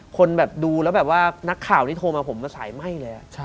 คนแบบดูแล้วแบบว่านักข่าวที่โทรมาผมก็สายไหม้เลย